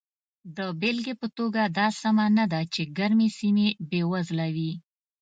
د بېلګې په توګه دا سمه نه ده چې ګرمې سیمې بېوزله وي.